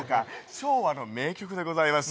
昭和の名曲でございます